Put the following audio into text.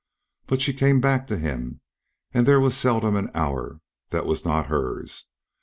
But she came back to him, and then there was seldom an hour that was not hers.